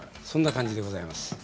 そんな感じでございます。